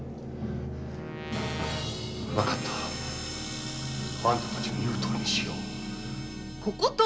分かったあんたたちの言うとおりにしよう。